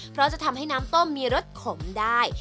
เพราะจะทำให้น้ำต้มมีรสขมได้